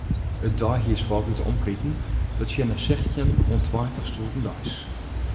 It deihiersfolk út 'e omkriten fertsjinne sechstjin oant tweintich stoeren deis.